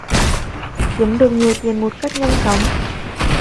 Kiếm được nhiều tiền một cách nhanh chóng